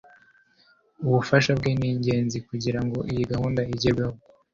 Ubufasha bwe ni ingenzi kugirango iyi gahunda igerweho.